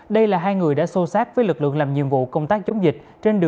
đây là hai người đã sô sát với lực lượng làm nhiệm vụ công tác chống dịch